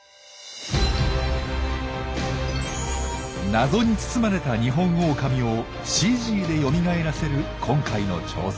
謎に包まれたニホンオオカミをＣＧでよみがえらせる今回の挑戦。